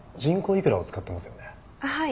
はい。